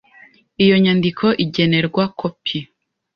iyo nyandiko igenerwa kopi